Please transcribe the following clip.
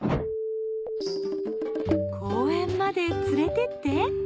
公園まで連れてって。